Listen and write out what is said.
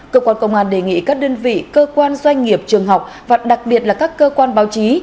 cơ quan công an đề nghị các đơn vị cơ quan doanh nghiệp trường học và đặc biệt là các cơ quan báo chí